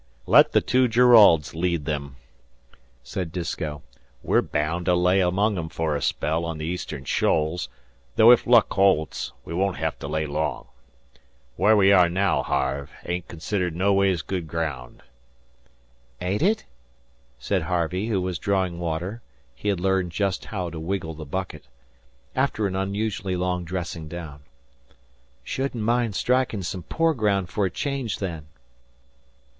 "Let the two Jeraulds lead 'em," said Disko. "We're baound to lay among 'em for a spell on the Eastern Shoals; though ef luck holds, we won't hev to lay long. Where we are naow, Harve, ain't considered noways good graound." "Ain't it?" said Harvey, who was drawing water (he had learned just how to wiggle the bucket), after an unusually long dressing down. "Shouldn't mind striking some poor ground for a change, then."